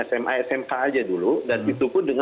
sma smk aja dulu dan itu pun